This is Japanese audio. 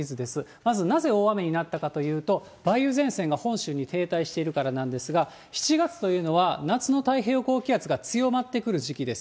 まずなぜ大雨になったかというと、梅雨前線が本州に停滞しているからなんですが、７月というのは、夏の太平洋高気圧が強まってくる時期です。